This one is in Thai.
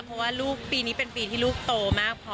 เพราะว่าลูกปีนี้เป็นปีที่ลูกโตมากพอ